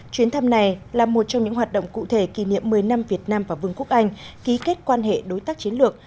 chuyến thăm này là một trong những hoạt động cụ thể kỷ niệm một mươi năm việt nam và vương quốc anh ký kết quan hệ đối tác chiến lược